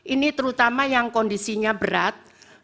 ini terutama yang kondisinya berat